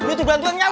butuh bantuan kamu